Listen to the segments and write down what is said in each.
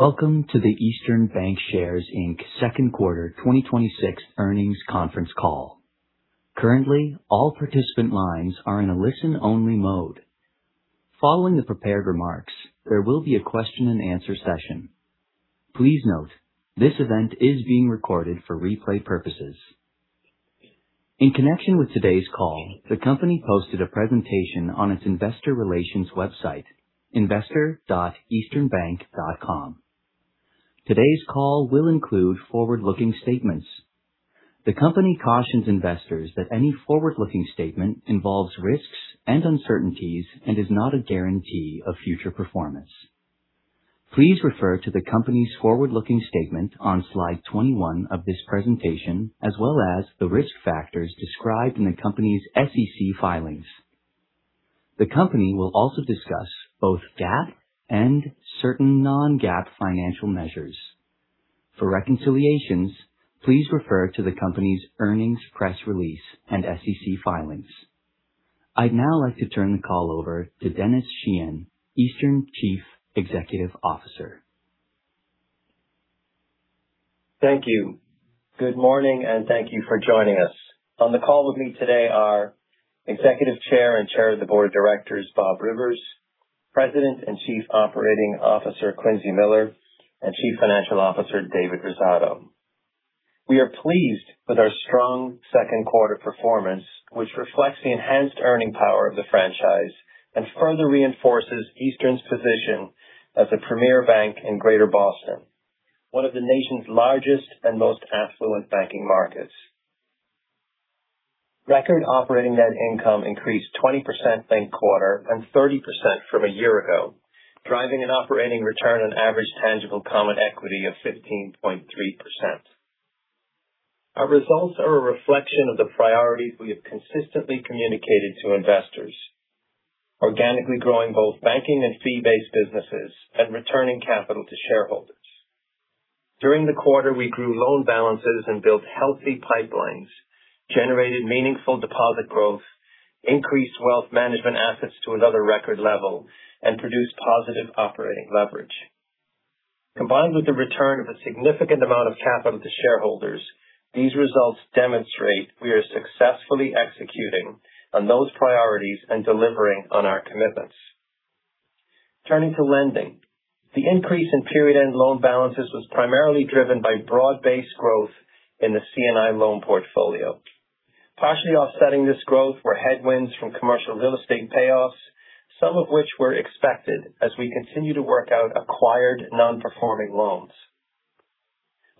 Welcome to the Eastern Bankshares, Inc second quarter 2026 earnings conference call. Currently, all participant lines are in a listen-only mode. Following the prepared remarks, there will be a question-and-answer session. Please note, this event is being recorded for replay purposes. In connection with today's call, the company posted a presentation on its investor relations website, investor.easternbank.com. Today's call will include forward-looking statements. The company cautions investors that any forward-looking statement involves risks and uncertainties and is not a guarantee of future performance. Please refer to the company's forward-looking statement on slide 21 of this presentation, as well as the risk factors described in the company's SEC filings. The company will also discuss both GAAP and certain non-GAAP financial measures. For reconciliations, please refer to the company's earnings press release and SEC filings. I'd now like to turn the call over to Denis Sheahan, Eastern Chief Executive Officer. Thank you. Good morning, and thank you for joining us. On the call with me today are Executive Chair and Chair of the Board of Directors, Bob Rivers, President and Chief Operating Officer, Quincy Miller, and Chief Financial Officer, David Rosato. We are pleased with our strong second quarter performance, which reflects the enhanced earning power of the franchise and further reinforces Eastern's position as the premier bank in Greater Boston, one of the nation's largest and most affluent banking markets. Record operating net income increased 20% same quarter and 30% from a year ago, driving an operating return on average tangible common equity of 15.3%. Our results are a reflection of the priorities we have consistently communicated to investors, organically growing both banking and fee-based businesses and returning capital to shareholders. During the quarter, we grew loan balances and built healthy pipelines, generated meaningful deposit growth, increased wealth management assets to another record level, and produced positive operating leverage. Combined with the return of a significant amount of capital to shareholders, these results demonstrate we are successfully executing on those priorities and delivering on our commitments. Turning to lending. The increase in period end loan balances was primarily driven by broad-based growth in the C&I loan portfolio. Partially offsetting this growth were headwinds from commercial real estate payoffs, some of which were expected as we continue to work out acquired non-performing loans.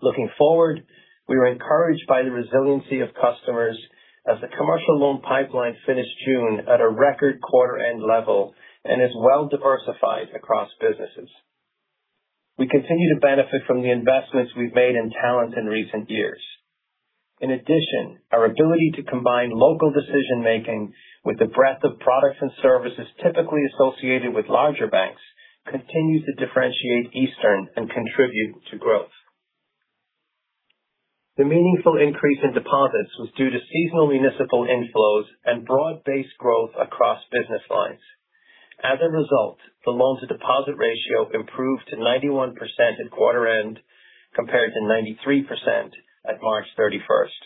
Looking forward, we were encouraged by the resiliency of customers as the commercial loan pipeline finished June at a record quarter-end level and is well diversified across businesses. We continue to benefit from the investments we've made in talent in recent years. In addition, our ability to combine local decision-making with the breadth of products and services typically associated with larger banks continues to differentiate Eastern and contribute to growth. The meaningful increase in deposits was due to seasonal municipal inflows and broad-based growth across business lines. As a result, the loan to deposit ratio improved to 91% at quarter end, compared to 93% at March 31st.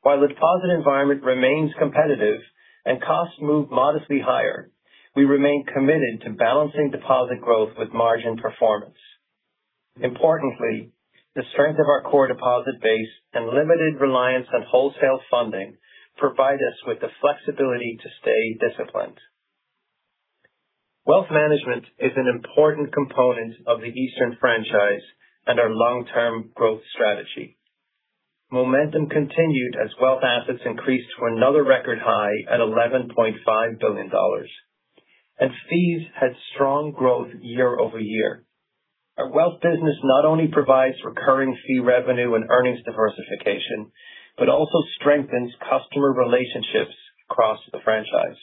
While the deposit environment remains competitive and costs move modestly higher, we remain committed to balancing deposit growth with margin performance. Importantly, the strength of our core deposit base and limited reliance on wholesale funding provide us with the flexibility to stay disciplined. Wealth management is an important component of the Eastern franchise and our long-term growth strategy. Momentum continued as wealth assets increased to another record high at $11.5 billion. Fees had strong growth year-over-year. Our wealth business not only provides recurring fee revenue and earnings diversification, but also strengthens customer relationships across the franchise.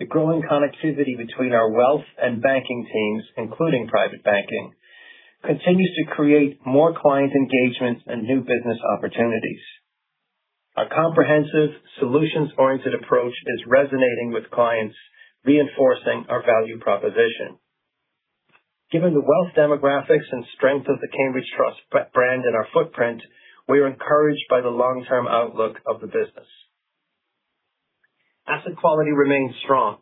The growing connectivity between our wealth and banking teams, including private banking, continues to create more client engagement and new business opportunities. Our comprehensive solutions-oriented approach is resonating with clients, reinforcing our value proposition. Given the wealth demographics and strength of the Cambridge Trust brand and our footprint, we are encouraged by the long-term outlook of the business. Asset quality remains strong.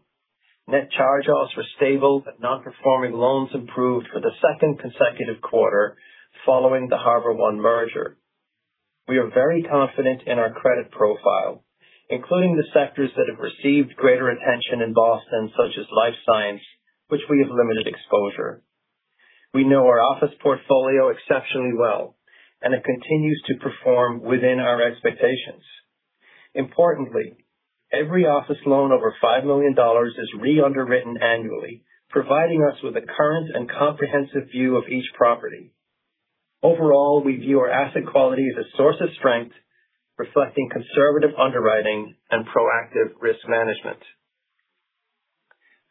Net charge-offs were stable, but non-performing loans improved for the second consecutive quarter following the HarborOne merger. We are very confident in our credit profile, including the sectors that have received greater attention in Boston, such as life science, which we have limited exposure. We know our office portfolio exceptionally well, and it continues to perform within our expectations. Importantly, every office loan over $5 million is re-underwritten annually, providing us with a current and comprehensive view of each property. Overall, we view our asset quality as a source of strength, reflecting conservative underwriting and proactive risk management.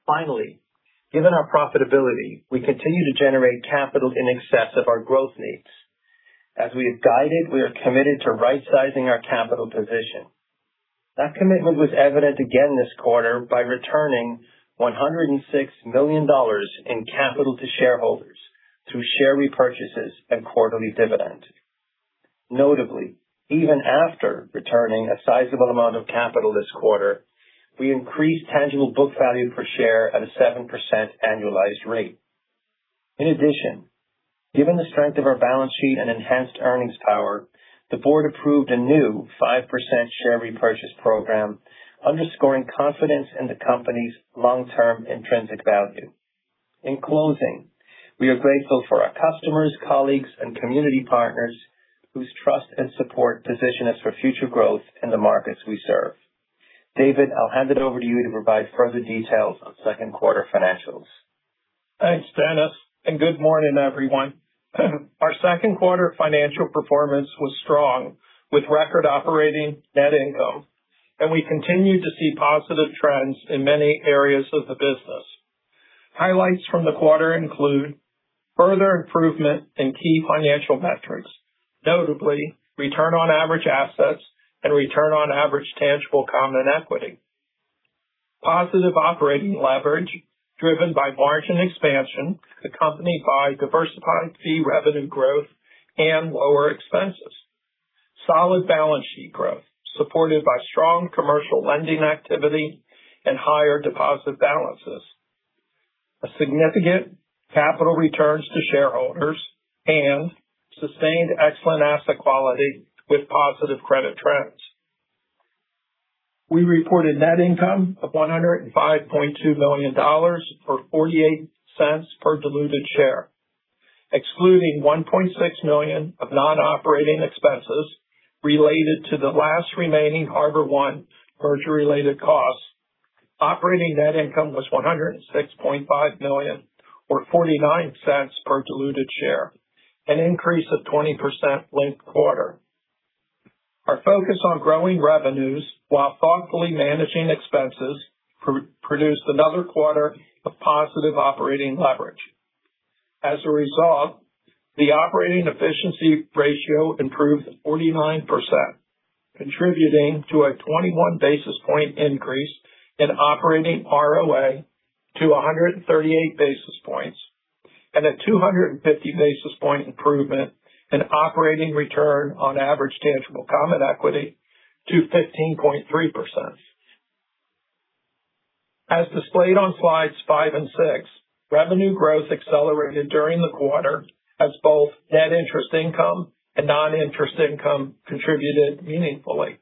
Finally, given our profitability, we continue to generate capital in excess of our growth needs. As we have guided, we are committed to right-sizing our capital position. That commitment was evident again this quarter by returning $106 million in capital to shareholders through share repurchases and quarterly dividends. Notably, even after returning a sizable amount of capital this quarter, we increased tangible book value per share at a 7% annualized rate. In addition, given the strength of our balance sheet and enhanced earnings power, the board approved a new 5% share repurchase program, underscoring confidence in the company's long-term intrinsic value. In closing, we are grateful for our customers, colleagues, and community partners whose trust and support position us for future growth in the markets we serve. David, I'll hand it over to you to provide further details on second quarter financials. Thanks, Denis, good morning, everyone. Our second quarter financial performance was strong, with record operating net income. We continue to see positive trends in many areas of the business. Highlights from the quarter include further improvement in key financial metrics, notably return on average assets and return on average tangible common equity. Positive operating leverage driven by margin expansion, accompanied by diversified fee revenue growth and lower expenses. Solid balance sheet growth supported by strong commercial lending activity and higher deposit balances. A significant capital returns to shareholders and sustained excellent asset quality with positive credit trends. We reported net income of $105.2 million, or $0.48 per diluted share. Excluding $1.6 million of non-operating expenses related to the last remaining HarborOne merger-related costs, operating net income was $106.5 million, or $0.49 per diluted share, an increase of 20% linked quarter. Our focus on growing revenues while thoughtfully managing expenses produced another quarter of positive operating leverage. As a result, the operating efficiency ratio improved 49%, contributing to a 21-basis-point increase in operating ROA to 138 basis points and a 250-basis-point improvement in operating return on average tangible common equity to 15.3%. As displayed on slides five and six, revenue growth accelerated during the quarter as both net interest income and non-interest income contributed meaningfully.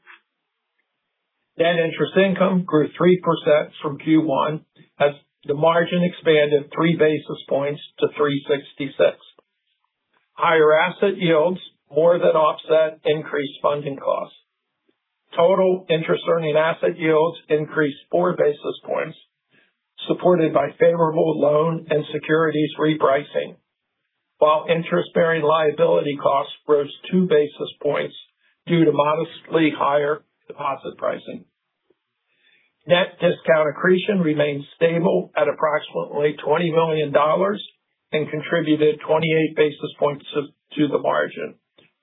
Net interest income grew 3% from Q1 as the margin expanded three basis points to 366. Higher asset yields more than offset increased funding costs. Total interest earning asset yields increased four basis points, supported by favorable loan and securities repricing, while interest-bearing liability costs rose two basis points due to modestly higher deposit pricing. Net discount accretion remained stable at approximately $20 million. Contributed 28 basis points to the margin,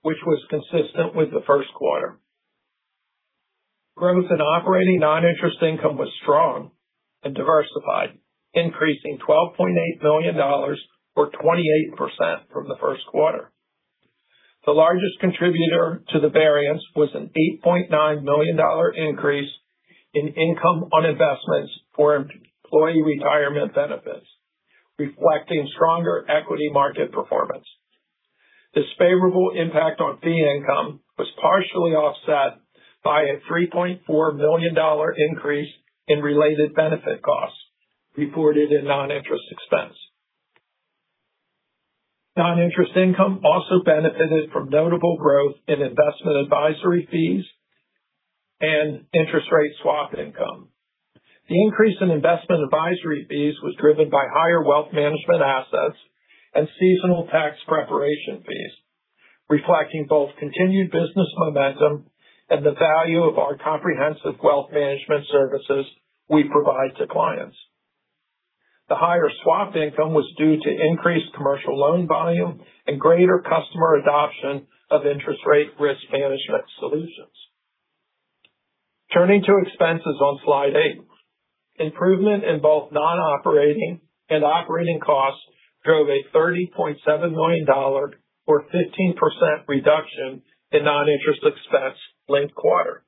which was consistent with the first quarter. Growth in operating non-interest income was strong and diversified, increasing $12.8 million, or 28%, from the first quarter. The largest contributor to the variance was an $8.9 million increase in income on investments for employee retirement benefits, reflecting stronger equity market performance. This favorable impact on fee income was partially offset by a $3.4 million increase in related benefit costs reported in non-interest expense. Non-interest income also benefited from notable growth in investment advisory fees and interest rate swap income. The increase in investment advisory fees was driven by higher wealth management assets and seasonal tax preparation fees, reflecting both continued business momentum and the value of our comprehensive wealth management services we provide to clients. The higher swap income was due to increased commercial loan volume and greater customer adoption of interest rate risk management solutions. Turning to expenses on slide eight. Improvement in both non-operating and operating costs drove a $30.7 million, or 15%, reduction in non-interest expense linked quarter.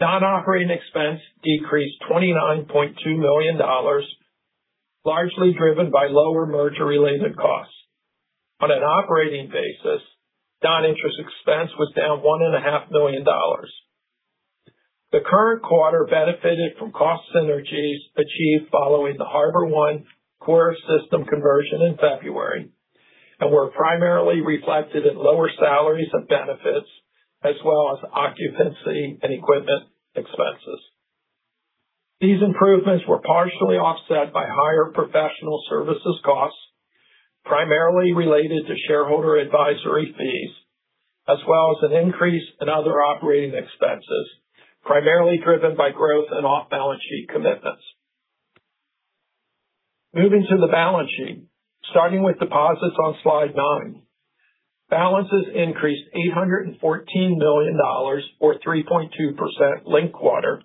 Non-operating expense decreased $29.2 million, largely driven by lower merger-related costs. On an operating basis, non-interest expense was down $1.5 million. The current quarter benefited from cost synergies achieved following the HarborOne core system conversion in February. Were primarily reflected in lower salaries and benefits, as well as occupancy and equipment expenses. These improvements were partially offset by higher professional services costs, primarily related to shareholder advisory fees, as well as an increase in other operating expenses, primarily driven by growth in off-balance-sheet commitments. Moving to the balance sheet. Starting with deposits on slide nine. Balances increased $814 million or 3.2% linked quarter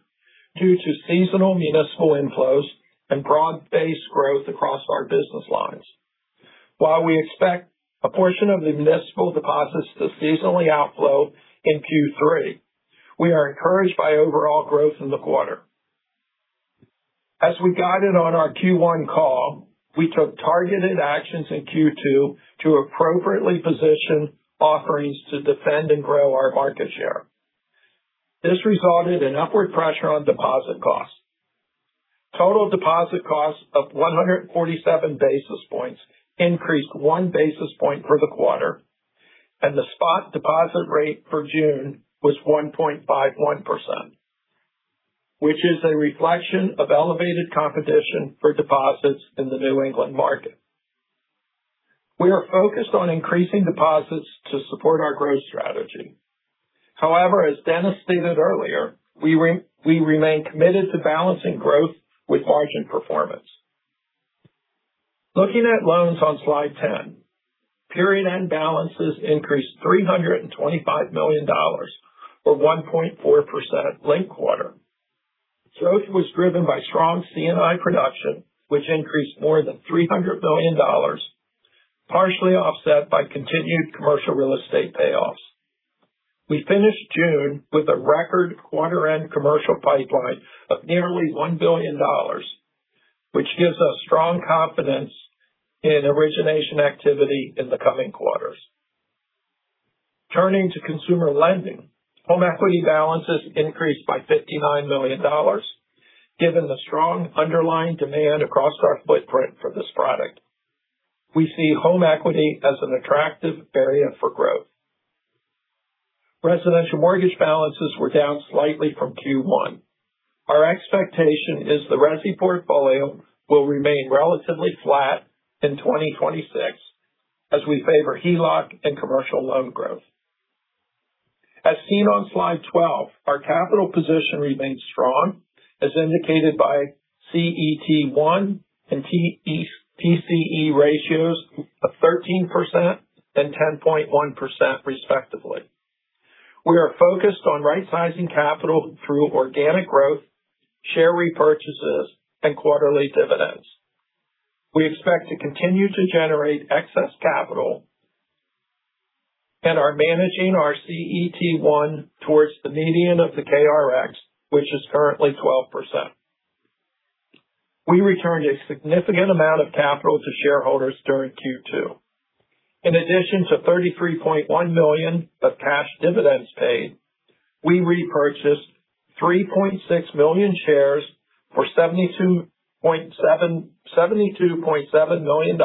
due to seasonal municipal inflows and broad-based growth across our business lines. While we expect a portion of the municipal deposits to seasonally outflow in Q3, we are encouraged by overall growth in the quarter. As we guided on our Q1 call, we took targeted actions in Q2 to appropriately position offerings to defend and grow our market share. This resulted in upward pressure on deposit costs. Total deposit costs of 147 basis points increased one basis point for the quarter, and the spot deposit rate for June was 1.51%, which is a reflection of elevated competition for deposits in the New England market. We are focused on increasing deposits to support our growth strategy. However, as Denis stated earlier, we remain committed to balancing growth with margin performance. Looking at loans on slide 10. Period-end balances increased $325 million or 1.4% linked quarter. Growth was driven by strong C&I production, which increased more than $300 million, partially offset by continued commercial real estate payoffs. We finished June with a record quarter-end commercial pipeline of nearly $1 billion, which gives us strong confidence in origination activity in the coming quarters. Turning to consumer lending. Home equity balances increased by $59 million. Given the strong underlying demand across our footprint for this product, we see home equity as an attractive area for growth. Residential mortgage balances were down slightly from Q1. Our expectation is the resi portfolio will remain relatively flat in 2026 as we favor HELOC and commercial loan growth. As seen on slide 12, our capital position remains strong, as indicated by CET1 and TCE ratios of 13% and 10.1%, respectively. We are focused on right-sizing capital through organic growth, share repurchases, and quarterly dividends. We expect to continue to generate excess capital and are managing our CET1 towards the median of the KRX, which is currently 12%. We returned a significant amount of capital to shareholders during Q2. In addition to $33.1 million of cash dividends paid, we repurchased 3.6 million shares for $72.7 million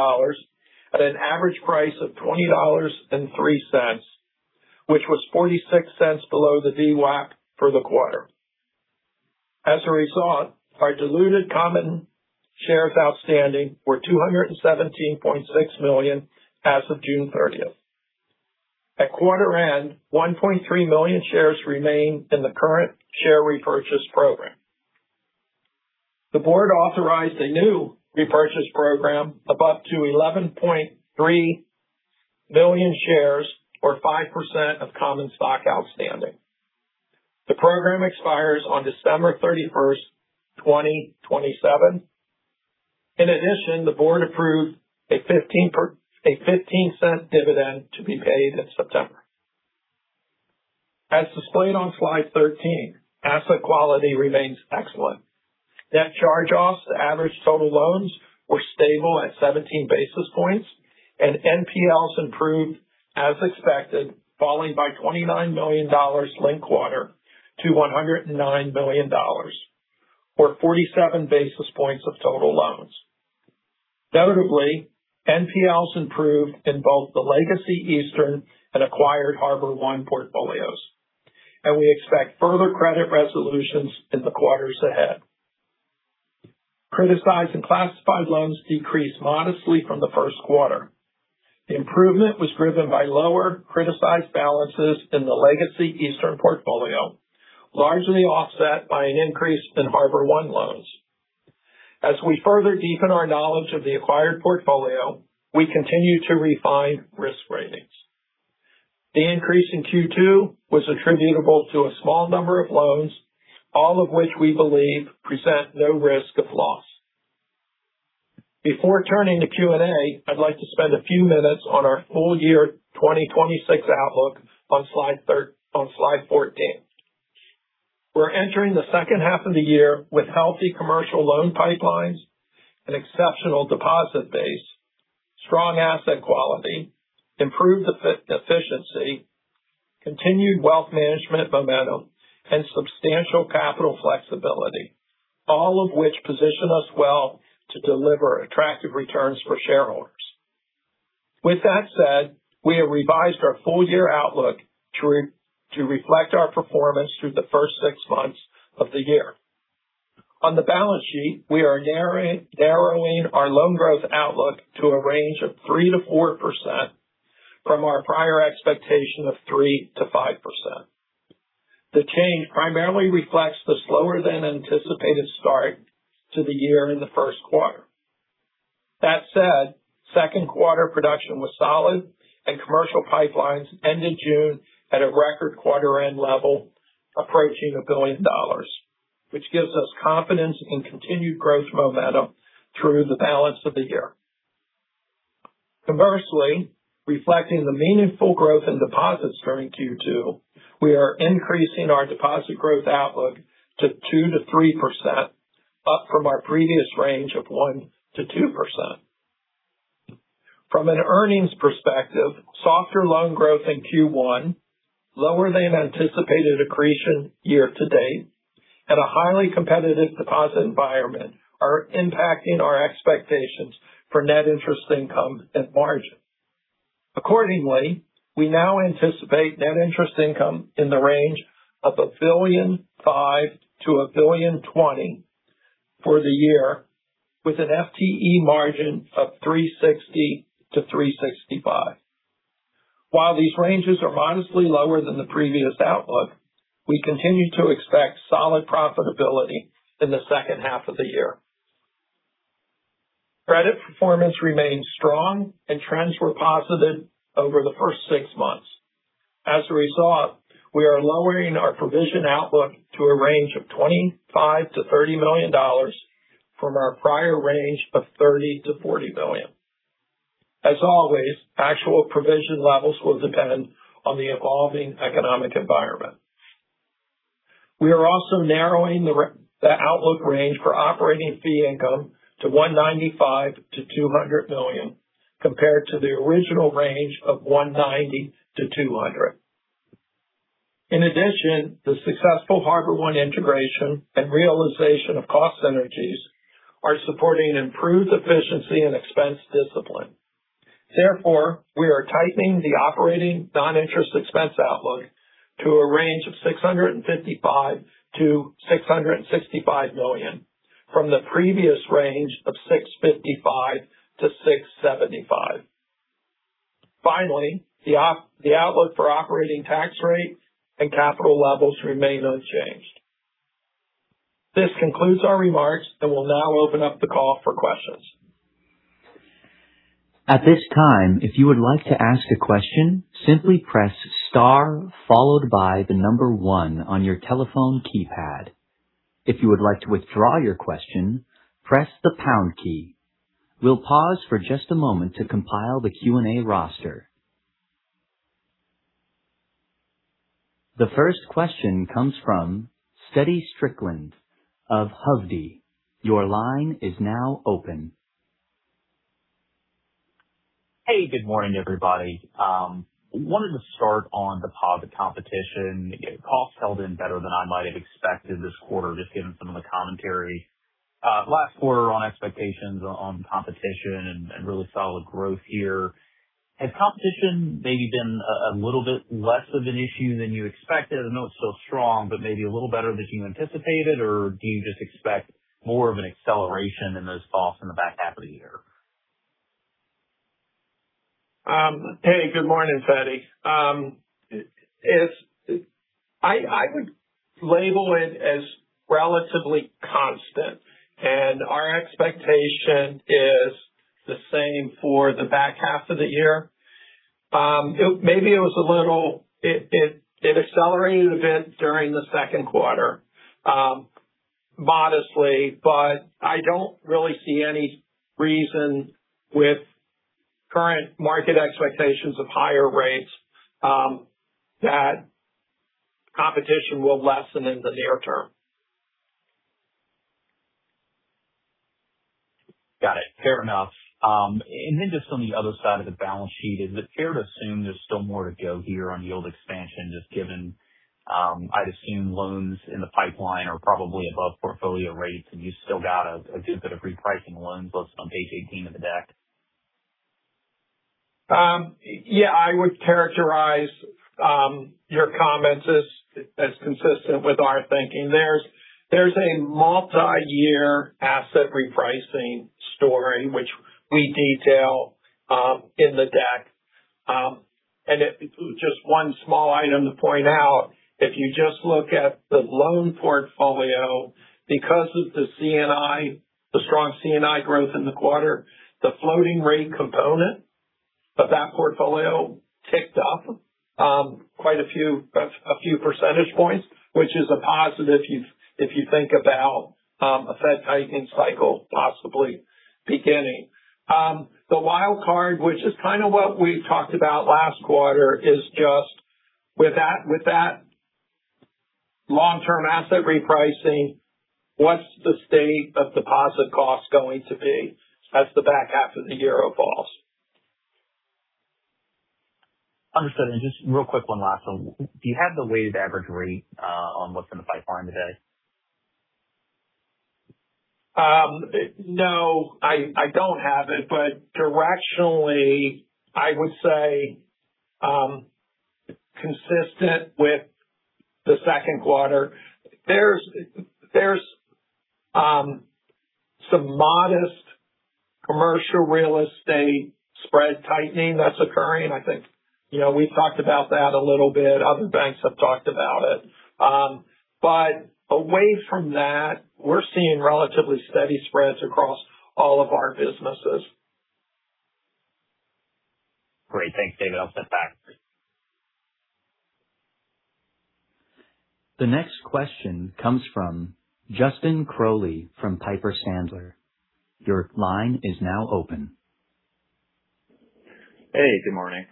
at an average price of $20.03, which was $0.46 below the VWAP for the quarter. As a result, our diluted common shares outstanding were 217.6 million as of June 30th. At quarter end, 1.3 million shares remain in the current share repurchase program. The board authorized a new repurchase program of up to 11.3 million shares or 5% of common stock outstanding. The program expires on December 31st, 2027. In addition, the board approved a $0.15 dividend to be paid in September. As displayed on slide 13, asset quality remains excellent. Net charge-offs to average total loans were stable at 17 basis points, and NPLs improved as expected, falling by $29 million linked quarter to $109 million, or 47 basis points of total loans. Notably, NPLs improved in both the legacy Eastern and acquired HarborOne portfolios, and we expect further credit resolutions in the quarters ahead. Criticized and classified loans decreased modestly from the first quarter. The improvement was driven by lower criticized balances in the legacy Eastern portfolio, largely offset by an increase in HarborOne loans. As we further deepen our knowledge of the acquired portfolio, we continue to refine risk ratings. The increase in Q2 was attributable to a small number of loans, all of which we believe present no risk of loss. Before turning to Q&A, I'd like to spend a few minutes on our full year 2026 outlook on slide 14. We're entering the second half of the year with healthy commercial loan pipelines, an exceptional deposit base, strong asset quality, improved efficiency, continued wealth management momentum, and substantial capital flexibility, all of which position us well to deliver attractive returns for shareholders. With that said, we have revised our full-year outlook to reflect our performance through the first six months of the year. On the balance sheet, we are narrowing our loan growth outlook to a range of 3%-4% from our prior expectation of 3%-5%. The change primarily reflects the slower than anticipated start to the year in the first quarter. That said, second quarter production was solid and commercial pipelines ended June at a record quarter end level approaching $1 billion, which gives us confidence in continued growth momentum through the balance of the year. Conversely, reflecting the meaningful growth in deposits during Q2, we are increasing our deposit growth outlook to 2%-3%, up from our previous range of 1%-2%. From an earnings perspective, softer loan growth in Q1, lower than anticipated accretion year to date, and a highly competitive deposit environment are impacting our expectations for net interest income and margin. Accordingly, we now anticipate net interest income in the range of 1.005 billion and $1.020 billion for the year, with an FTE margin of 3.60%-3.65%. While these ranges are modestly lower than the previous outlook, we continue to expect solid profitability in the second half of the year. Credit performance remained strong and trends were positive over the first six months. As a result, we are lowering our provision outlook to a range of $25 million-$30 million from our prior range of $30 million-$40 million. As always, actual provision levels will depend on the evolving economic environment. We are also narrowing the outlook range for operating fee income to $195 million-$200 million, compared to the original range of $190 million-$200 million. In addition, the successful HarborOne integration and realization of cost synergies are supporting improved efficiency and expense discipline. Therefore, we are tightening the operating non-interest expense outlook to a range of $655 million-$665 million from the previous range of $655 million-$675 million. Finally, the outlook for operating tax rate and capital levels remain unchanged. This concludes our remarks, and we'll now open up the call for questions. At this time, if you would like to ask a question, simply press star followed by the number one on your telephone keypad. If you would like to withdraw your question, press the pound key. We'll pause for just a moment to compile the Q&A roster. The first question comes from Feddie Strickland of Hovde. Your line is now open. Hey, good morning, everybody. Wanted to start on deposit competition. Costs held in better than I might have expected this quarter, just given some of the commentary last quarter on expectations on competition and really solid growth here. Has competition maybe been a little bit less of an issue than you expected? I know it's still strong, but maybe a little better than you anticipated, or do you just expect more of an acceleration in those costs in the back half of the year? Hey, good morning, Feddie. I would label it as relatively constant, and our expectation is the same for the back half of the year. Maybe it accelerated a bit during the second quarter, modestly, but I don't really see any reason with current market expectations of higher rates that competition will lessen in the near term. Got it. Fair enough. Just on the other side of the balance sheet, is it fair to assume there's still more to go here on yield expansion, just given, I'd assume loans in the pipeline are probably above portfolio rates, and you still got a good bit of repricing loans listed on page 18 of the deck? Yeah. I would characterize your comments as consistent with our thinking. There's a multi-year asset repricing story which we detail in the deck. Just one small item to point out, if you just look at the loan portfolio, because of the strong C&I growth in the quarter, the floating rate component of that portfolio ticked up quite a few percentage points, which is a positive if you think about a Fed tightening cycle possibly beginning. The wild card, which is kind of what we talked about last quarter, is just with that long-term asset repricing, what's the state of deposit costs going to be as the back half of the year evolves? Understood. Just real quick, one last one. Do you have the weighted average rate on what's in the pipeline today? No, I don't have it. Directionally, I would say consistent with the second quarter. There's some modest commercial real estate spread tightening that's occurring. I think we've talked about that a little bit. Other banks have talked about it. Away from that, we're seeing relatively steady spreads across all of our businesses. Great. Thanks, David. I'll send it back. The next question comes from Justin Crowley from Piper Sandler. Your line is now open. Hey, good morning.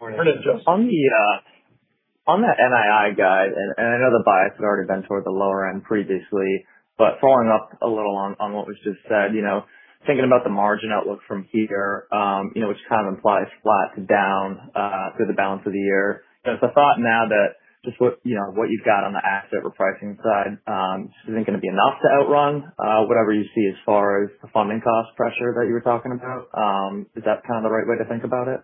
Morning, Justin. On the NII guide, I know the bias had already been toward the lower end previously, following up a little on what was just said, thinking about the margin outlook from here which kind of implies flat to down through the balance of the year. Is the thought now that just what you've got on the asset repricing side just isn't going to be enough to outrun whatever you see as far as the funding cost pressure that you were talking about? Is that kind of the right way to think about it?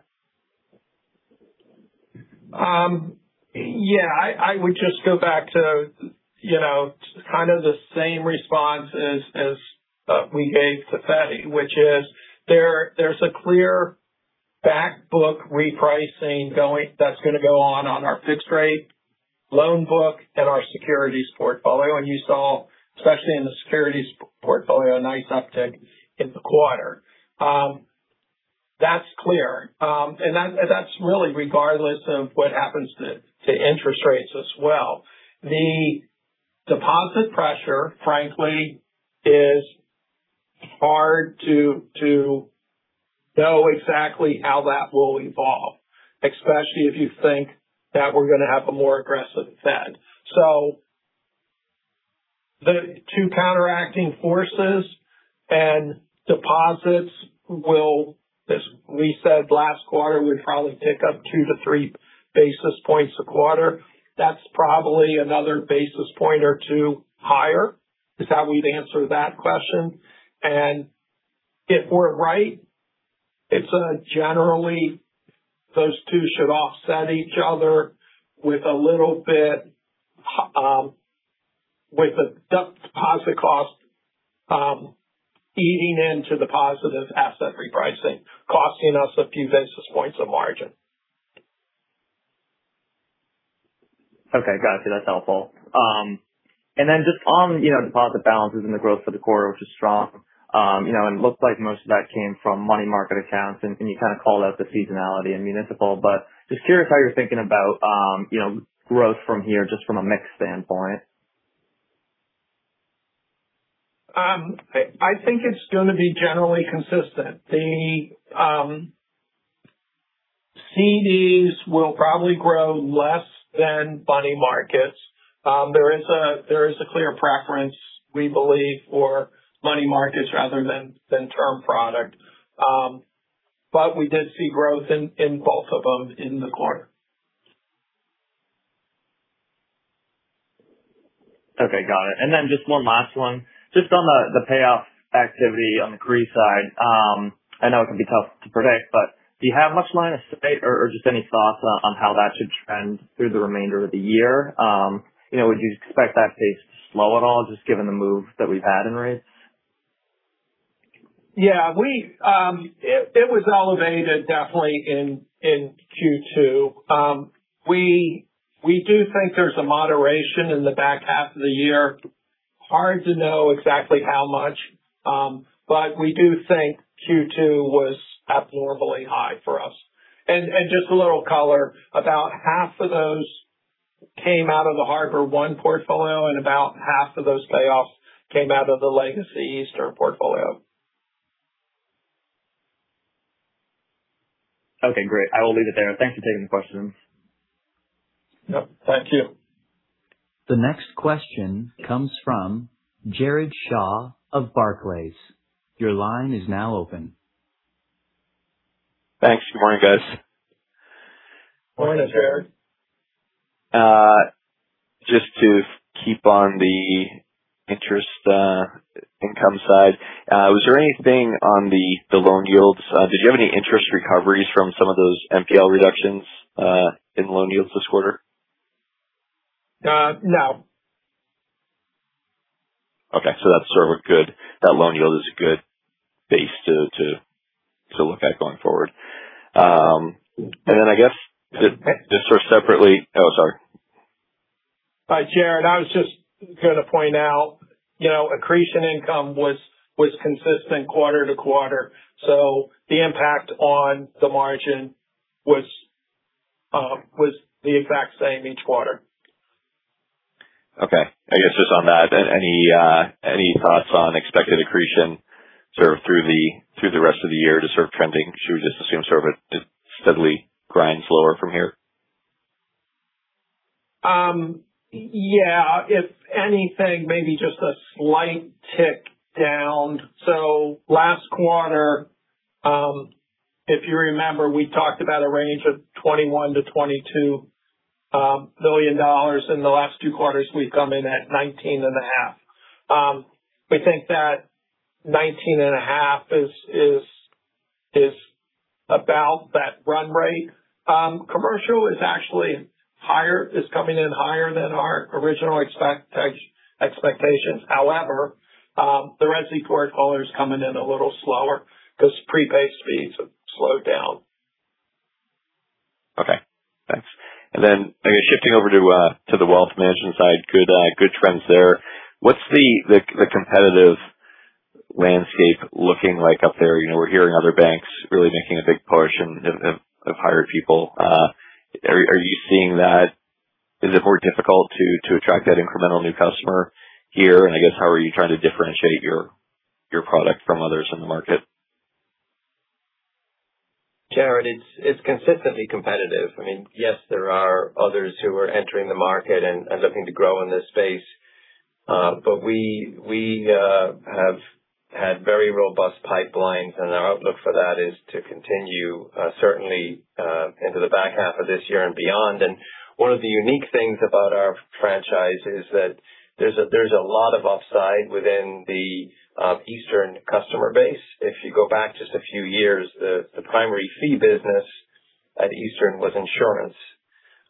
Yeah. I would just go back to kind of the same response as we gave to Feddie, which is there's a clear back book repricing that's going to go on on our fixed rate loan book and our securities portfolio. You saw, especially in the securities portfolio, a nice uptick in the quarter. That's clear. That's really regardless of what happens to interest rates as well. The deposit pressure, frankly, is hard to know exactly how that will evolve, especially if you think that we're going to have a more aggressive Fed. The two counteracting forces and deposits will, as we said last quarter, we'd probably tick up two to three basis points a quarter. That's probably another basis point or two higher, is how we'd answer that question. If we're right, it's a generally those two should offset each other with the deposit cost eating into the positive asset repricing, costing us a few basis points of margin. Okay, got you. That's helpful. Then just on deposit balances and the growth for the quarter, which is strong, and it looked like most of that came from money market accounts, and you kind of called out the seasonality in municipal, just curious how you're thinking about growth from here, just from a mix standpoint. I think it's going to be generally consistent. The CDs will probably grow less than money markets. There is a clear preference, we believe, for money markets rather than term product. We did see growth in both of those in the quarter. Okay, got it. Just one last one. Just on the payoff activity on the CRE side. I know it can be tough to predict, but do you have much line of sight or just any thoughts on how that should trend through the remainder of the year? Would you expect that pace to slow at all just given the move that we've had in rates? Yeah. It was elevated definitely in Q2. We do think there's a moderation in the back half of the year. Hard to know exactly how much. We do think Q2 was abnormally high for us. Just a little color, about half of those came out of the HarborOne portfolio, and about half of those payoffs came out of the legacy Eastern portfolio. Okay, great. I will leave it there. Thanks for taking the questions. Yep, thank you. The next question comes from Jared Shaw of Barclays. Your line is now open. Thanks. Good morning, guys. Morning, Jared. Just to keep on the interest income side, was there anything on the loan yields? Did you have any interest recoveries from some of those NPL reductions in loan yields this quarter? No. Okay, that loan yield is a good base to look at going forward. I guess just sort of separately. Oh, sorry. Hi, Jared. I was just going to point out accretion income was consistent quarter-to-quarter. The impact on the margin was the exact same each quarter. Okay. I guess just on that, any thoughts on expected accretion sort of through the rest of the year just sort of trending? Should we just assume it steadily grinds lower from here? Yeah. If anything, maybe just a slight tick down. Last quarter, if you remember, we talked about a range of $21 million-$22 million. In the last two quarters, we've come in at $19.5. We think that $19.5 is about that run rate. Commercial is actually coming in higher than our original expectations. However, the resi portfolio is coming in a little slower because prepay speeds have slowed down. Okay, thanks. Shifting over to the wealth management side. Good trends there. What's the competitive landscape looking like up there? We're hearing other banks really making a big push and have hired people. Are you seeing that? Is it more difficult to attract that incremental new customer here? I guess, how are you trying to differentiate your product from others in the market? Jared, it's consistently competitive. Yes, there are others who are entering the market and looking to grow in this space. We have had very robust pipelines, and our outlook for that is to continue certainly into the back half of this year and beyond. One of the unique things about our franchise is that there's a lot of upside within the Eastern customer base. If you go back just a few years, the primary fee business at Eastern was insurance.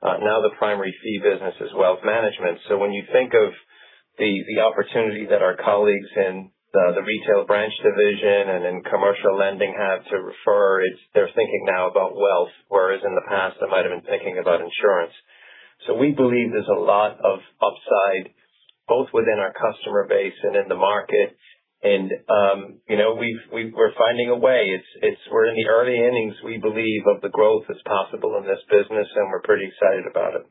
Now the primary fee business is wealth management. When you think of the opportunity that our colleagues in the retail branch division and in commercial lending have to refer, they're thinking now about wealth, whereas in the past they might have been thinking about insurance. We believe there's a lot of upside, both within our customer base and in the market. We're finding a way. We're in the early innings, we believe, of the growth that's possible in this business, and we're pretty excited about it.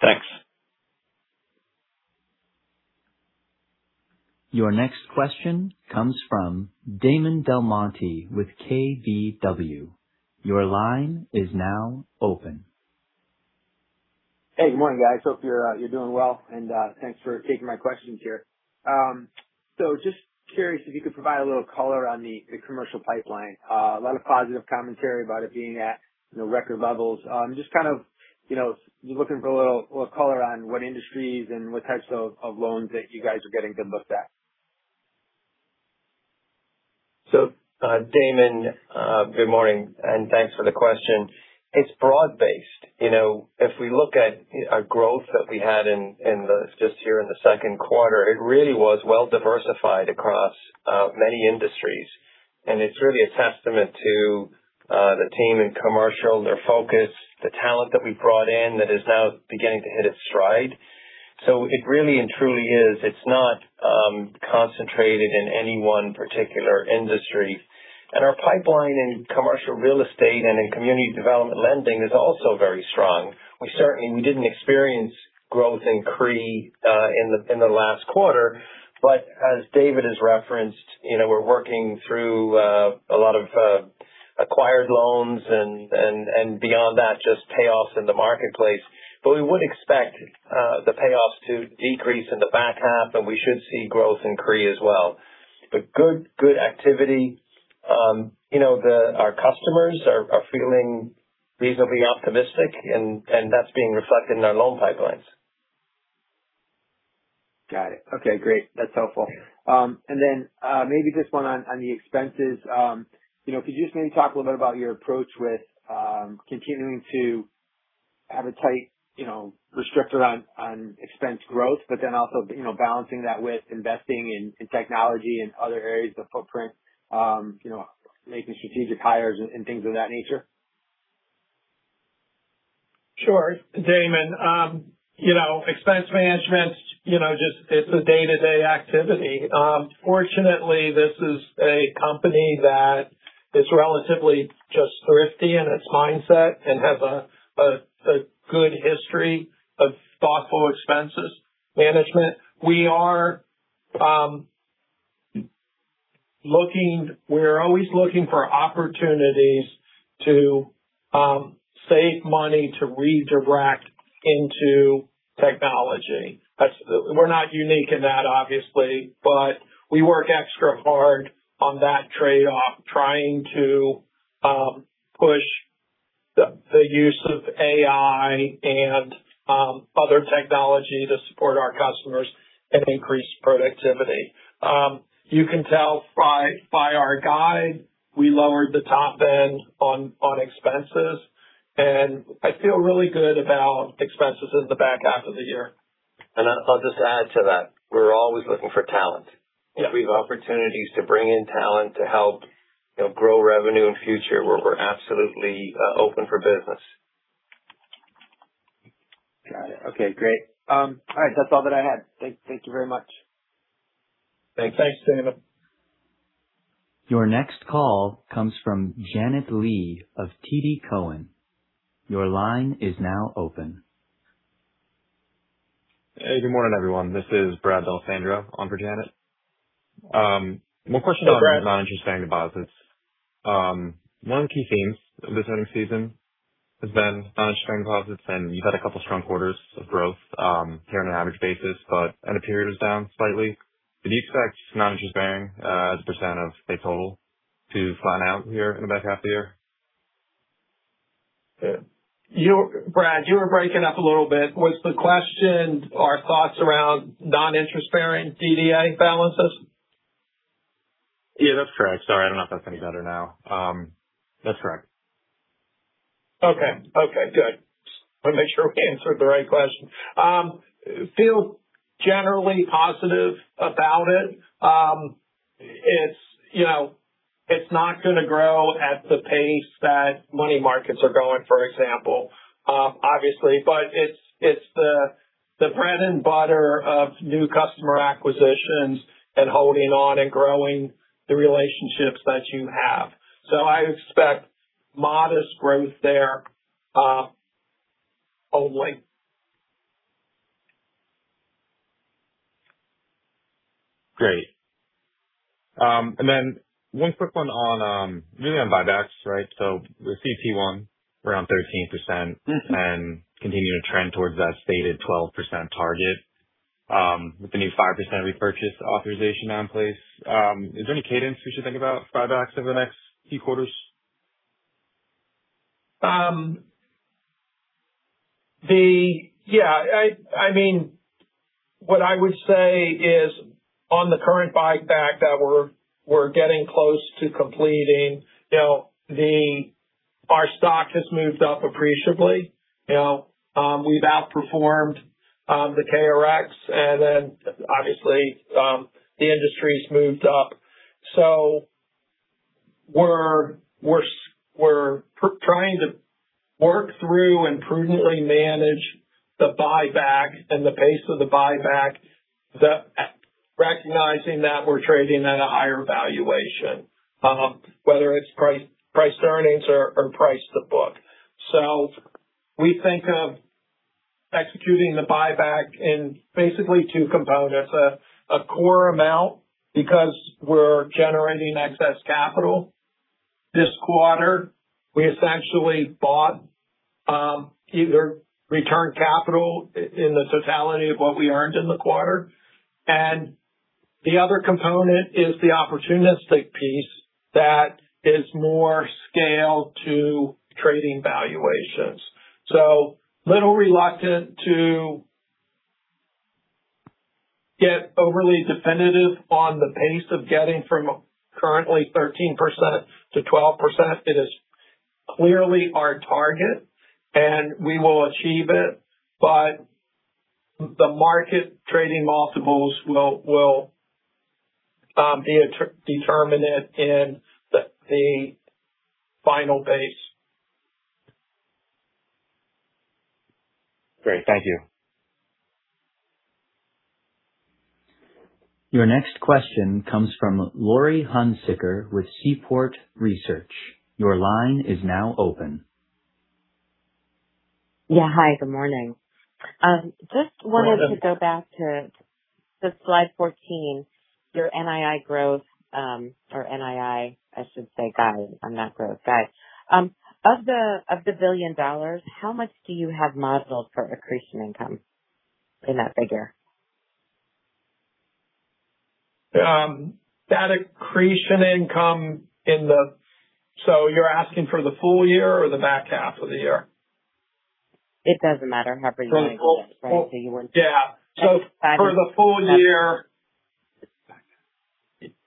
Thanks. Your next question comes from Damon DelMonte with KBW. Your line is now open. Good morning, guys. Hope you're doing well, and thanks for taking my questions here. Just curious if you could provide a little color on the commercial pipeline. A lot of positive commentary about it being at record levels. I'm just kind of looking for a little color on what industries and what types of loans that you guys are getting good looks at. Damon, good morning, and thanks for the question. It's broad-based. If we look at our growth that we had just here in the second quarter, it really was well diversified across many industries. It's really a testament to the team in commercial, their focus, the talent that we brought in that is now beginning to hit its stride. It really and truly is. It's not concentrated in any one particular industry. Our pipeline in commercial real estate and in community development lending is also very strong. We didn't experience growth in CRE in the last quarter, but as David has referenced, we're working through a lot of acquired loans and beyond that, just payoffs in the marketplace. We would expect the payoffs to decrease in the back half, and we should see growth in CRE as well. Good activity. Our customers are feeling reasonably optimistic, and that's being reflected in our loan pipelines. Got it. Okay, great. That's helpful. Maybe just one on the expenses. Could you just maybe talk a little bit about your approach with continuing to have a tight restriction on expense growth, but then also balancing that with investing in technology and other areas of footprint, making strategic hires and things of that nature? Sure. Damon, expense management, it's a day-to-day activity. Fortunately, this is a company that is relatively just thrifty in its mindset and has a good history of thoughtful expenses management. We're always looking for opportunities to save money to redirect into technology. We're not unique in that, obviously, but we work extra hard on that trade-off, trying to push the use of AI and other technology to support our customers and increase productivity. You can tell by our guide, we lowered the top end on expenses, and I feel really good about expenses in the back half of the year. I'll just add to that. We're always looking for talent. Yeah. If we have opportunities to bring in talent to help grow revenue in future, we're absolutely open for business. Got it. Okay, great. All right, that's all that I had. Thank you very much. Thanks. Thanks, Damon. Your next call comes from Janet Lee of TD Cowen. Your line is now open. Hey, good morning, everyone. This is Brad D'Alessandro on for Janet. One question on. Hi, Brad. Non-interest-bearing deposits. One of the key themes of this earnings season has been non-interest-bearing deposits, and you've had a couple strong quarters of growth here on an average basis, but end of period is down slightly. Do you expect non-interest-bearing as a percent of pay total to flatten out here in the back half of the year? Brad, you were breaking up a little bit. Was the question our thoughts around non-interest-bearing DDA balances? Yeah, that's correct. Sorry, I don't know if that's any better now. That's correct. Okay. Good. Just want to make sure we answered the right question. Feel generally positive about it. It's not going to grow at the pace that money markets are going, for example, obviously. It's the bread and butter of new customer acquisitions and holding on and growing the relationships that you have. I expect modest growth there only. Great. One quick one really on buybacks. We're CET1 around 13% and continuing to trend towards that stated 12% target with the new 5% repurchase authorization now in place. Is there any cadence we should think about buybacks over the next few quarters? What I would say is on the current buyback that we're getting close to completing, our stock has moved up appreciably. We've outperformed the KRX, obviously, the industry's moved up. We're trying to work through and prudently manage the buyback and the pace of the buyback, recognizing that we're trading at a higher valuation. Whether it's price to earnings or price to book. We think of executing the buyback in basically two components. A core amount because we're generating excess capital. This quarter, we essentially bought either return capital in the totality of what we earned in the quarter. The other component is the opportunistic piece that is more scaled to trading valuations. Little reluctant to get overly definitive on the pace of getting from currently 13% to 12%. It is clearly our target and we will achieve it, the market trading multiples will be determinant in the final base. Great. Thank you. Your next question comes from Laurie Hunsicker with Seaport Research. Your line is now open. Yeah. Hi, good morning. Just wanted to go back to the slide 14, your NII growth, or NII, I should say, guide, not growth. Guide. Of the $1 billion, how much do you have modeled for accretion income in that figure? You're asking for the full year or the back half of the year? It doesn't matter. However you want to address it. Yeah. For the full year.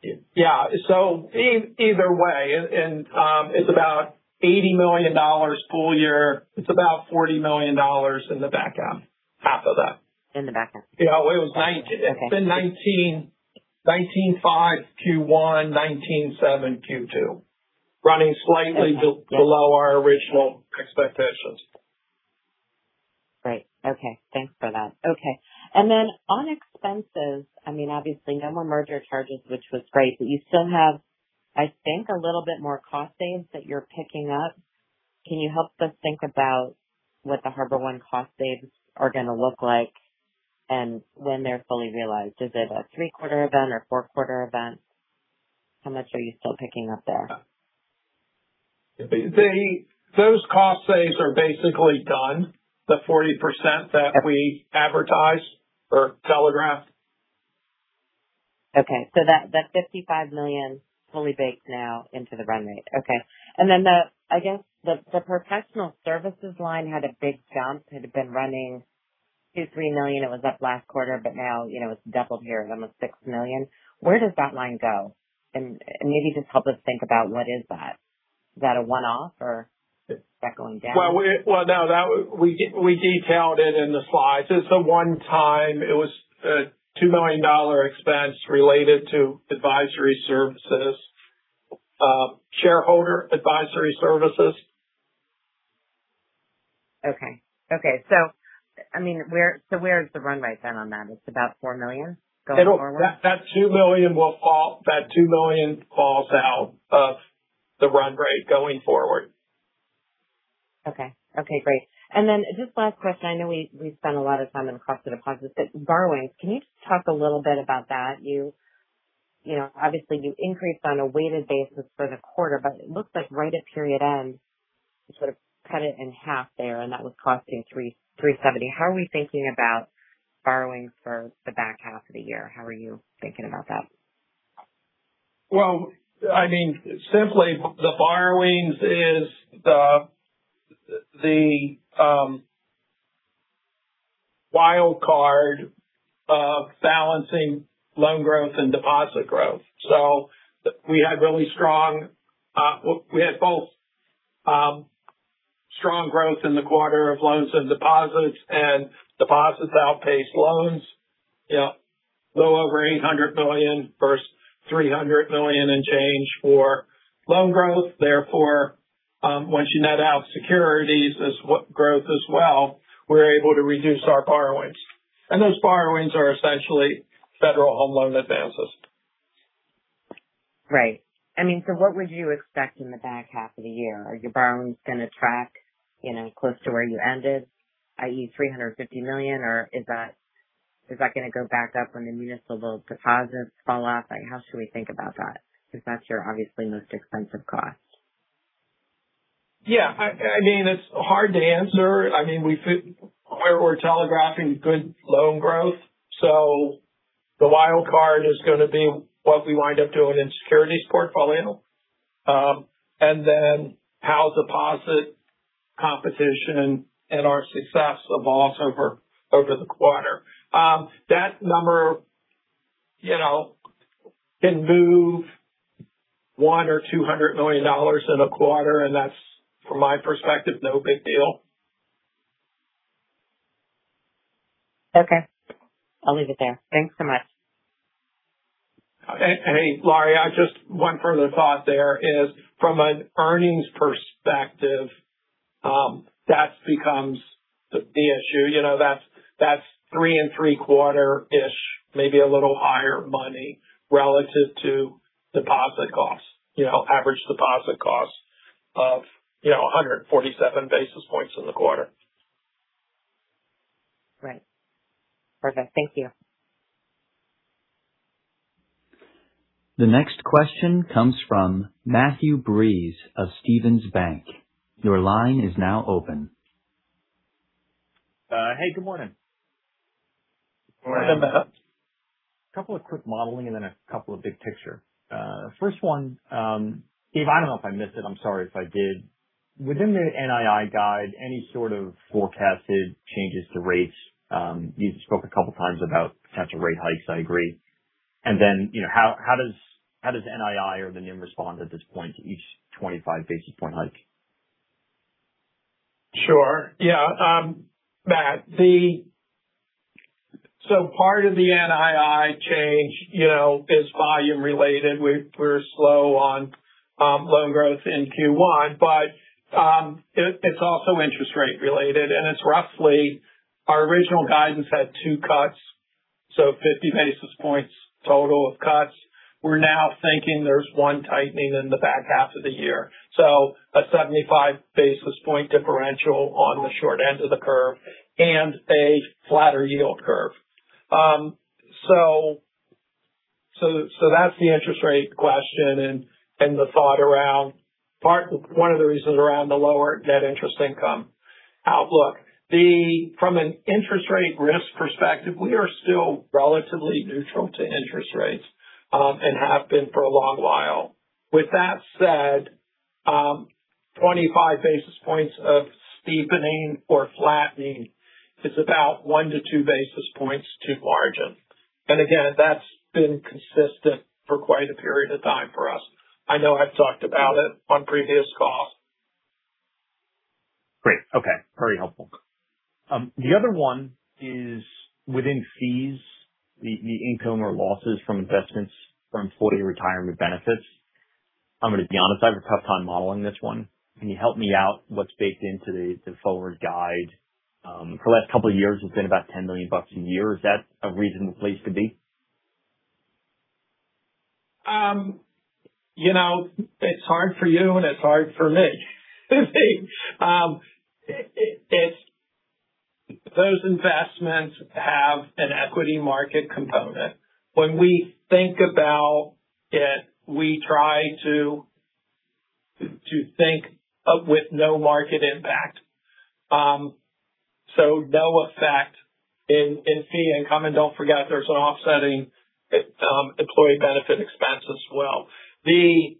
Yeah. Either way. It's about $80 million full year. It's about $40 million in the back half. Half of that. In the back half. Yeah. It's been 19.5 Q1, 19.7 Q2. Running slightly below our original expectations. Great. Okay. Thanks for that. Okay. Then on expenses, obviously no more merger charges, which was great. You still have, I think, a little bit more cost saves that you're picking up. Can you help us think about what the HarborOne cost saves are going to look like and when they're fully realized? Is it a three-quarter event or four-quarter event? How much are you still picking up there? Those cost saves are basically done. The 40% that we advertised or telegraphed. The $55 million fully baked now into the run rate. Okay. I guess the professional services line had a big jump. It had been running $2 million-$3 million. It was up last quarter, now it's doubled here at almost $6 million. Where does that line go? Maybe just help us think about what is that. Is that a one-off or is that going down? Well, no. We detailed it in the slides. It's a one-time. It was a $2 million expense related to advisory services. Shareholder advisory services. Okay. Where's the run rate then on that? It's about $4 million going forward? That $2 million falls out of the run rate going forward. Okay. Great. Then just last question. I know we've spent a lot of time on cost of deposits, Borrowings, can you just talk a little bit about that? Obviously, you increased on a weighted basis for the quarter, It looks like right at period end, you sort of cut it in half there and that was costing 3.70%. How are we thinking about borrowings for the back half of the year? How are you thinking about that? Well, simply, the borrowings is the wildcard of balancing loan growth and deposit growth. We had both strong growth in the quarter of loans and deposits, and deposits outpaced loans. Little over $800 million versus $300 million in change for loan growth. Therefore, once you net out securities as growth as well, we're able to reduce our borrowings. Those borrowings are essentially federal home loan advances. Right. What would you expect in the back half of the year? Are your borrowings going to track close to where you ended, i.e., $350 million, or is that going to go back up when the municipal deposits fall off? How should we think about that? That's your obviously most expensive cost. Yeah. It's hard to answer. We're telegraphing good loan growth, so the wildcard is going to be what we wind up doing in securities portfolio. How deposit competition and our success evolves over the quarter. That number can move $1 or $200 million in a quarter, and that's, from my perspective, no big deal. Okay. I'll leave it there. Thanks so much. Hey, Laurie, just one further thought there is from an earnings perspective, that becomes the issue. That's three and three quarter-ish, maybe a little higher money relative to deposit costs, average deposit costs of 147 basis points in the quarter. Right. Perfect. Thank you. The next question comes from Matthew Breese of Stephens Bank. Your line is now open. Hey, good morning. Morning, Matt. A couple of quick modeling and then a couple of big picture. First one, Dave, I don't know if I missed it. I'm sorry if I did. Within the NII guide, any sort of forecasted changes to rates? You spoke a couple of times about potential rate hikes, I agree. How does NII or the NIM respond at this point to each 25 basis point hike? Sure. Yeah, Matt. Part of the NII change is volume related. We're slow on loan growth in Q1, but it's also interest rate related, it's roughly our original guidance had two cuts, 50 basis points total of cuts. We're now thinking there's one tightening in the back half of the year. A 75 basis point differential on the short end of the curve and a flatter yield curve. That's the interest rate question and one of the reasons around the lower net interest income outlook. From an interest rate risk perspective, we are still relatively neutral to interest rates, and have been for a long while. With that said, 25 basis points of steepening or flattening is about one to two basis points to margin. Again, that's been consistent for quite a period of time for us. I know I've talked about it on previous calls. Great. Okay. Very helpful. The other one is within fees, the income or losses from investments from employee retirement benefits. I'm going to be honest, I have a tough time modeling this one. Can you help me out what's baked into the forward guide? For the last couple of years, it's been about $10 million bucks a year. Is that a reasonable place to be? It's hard for you, and it's hard for me. Those investments have an equity market component. When we think about it, we try to think with no market impact. No effect in fee income. Don't forget, there's an offsetting employee benefit expense as well. We've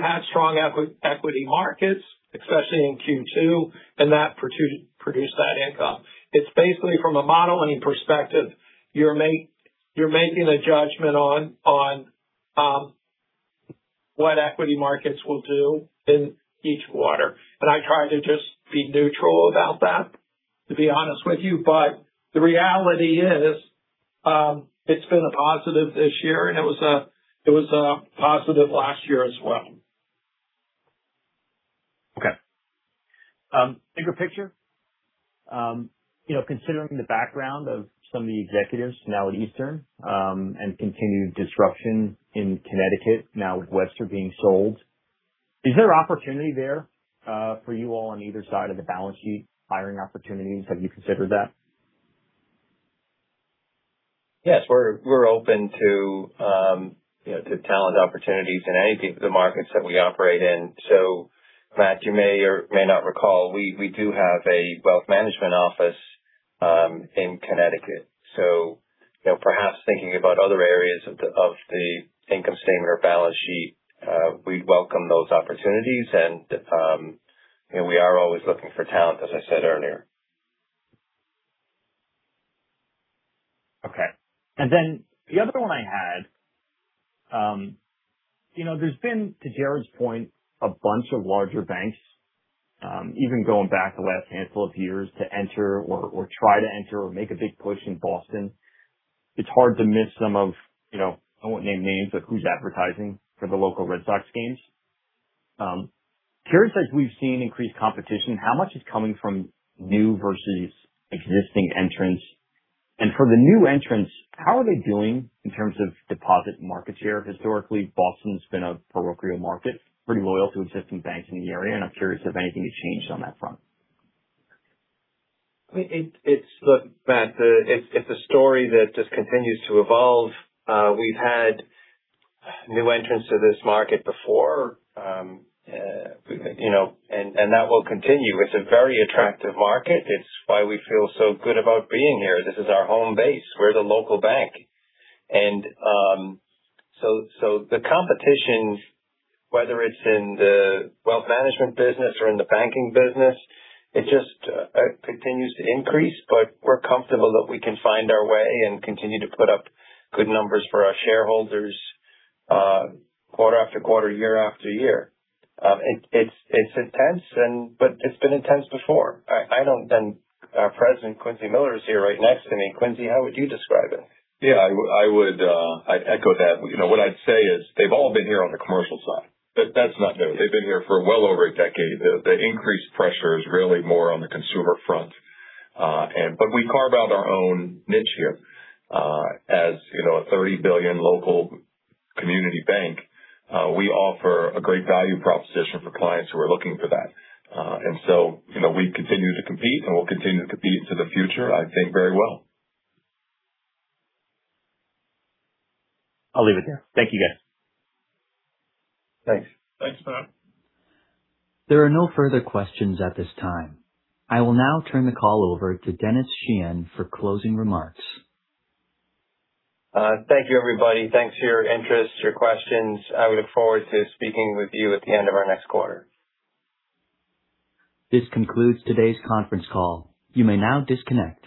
had strong equity markets, especially in Q2, and that produced that income. It's basically from a modeling perspective, you're making a judgment on what equity markets will do in each quarter. I try to just be neutral about that, to be honest with you. The reality is, it's been a positive this year, and it was a positive last year as well. Okay. Bigger picture. Considering the background of some of the executives now at Eastern, and continued disruption in Connecticut now with Western being sold, is there opportunity there for you all on either side of the balance sheet, hiring opportunities? Have you considered that? Yes, we're open to talent opportunities in any of the markets that we operate in. Matt, you may or may not recall, we do have a wealth management office in Connecticut. Perhaps thinking about other areas of the income statement or balance sheet, we'd welcome those opportunities. We are always looking for talent, as I said earlier. Okay. The other one I had. There's been, to Jared's point, a bunch of larger banks even going back the last handful of years to enter or try to enter or make a big push in Boston. It's hard to miss some of, I won't name names, but who's advertising for the local Red Sox games. Curious, as we've seen increased competition, how much is coming from new versus existing entrants? For the new entrants, how are they doing in terms of deposit market share? Historically, Boston's been a parochial market, pretty loyal to existing banks in the area, and I'm curious if anything has changed on that front. Look, Matt, it's a story that just continues to evolve. We've had new entrants to this market before. That will continue. It's a very attractive market. It's why we feel so good about being here. This is our home base. We're the local bank. The competition, whether it's in the wealth management business or in the banking business, it just continues to increase. We're comfortable that we can find our way and continue to put up good numbers for our shareholders quarter after quarter, year after year. It's intense. It's been intense before. I know our President, Quincy Miller, is here right next to me. Quincy, how would you describe it? Yeah, I would echo that. What I'd say is they've all been here on the commercial side. That's not new. They've been here for well over a decade. The increased pressure is really more on the consumer front. We carve out our own niche here. As a 30 billion local community bank, we offer a great value proposition for clients who are looking for that. We continue to compete, and we'll continue to compete into the future, I think, very well. I'll leave it there. Thank you, guys. Thanks. Thanks, Matt. There are no further questions at this time. I will now turn the call over to Denis Sheahan for closing remarks. Thank you, everybody. Thanks for your interest, your questions. I look forward to speaking with you at the end of our next quarter. This concludes today's conference call. You may now disconnect.